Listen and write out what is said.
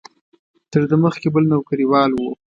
تر ده مخکې بل نوکریوال و.